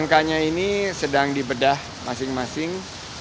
angka nya ini sedang di bedah masing masing